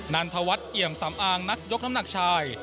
ันทวัฒน์เอี่ยมสำอางนักยกน้ำหนักชาย